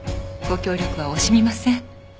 ご協力は惜しみません。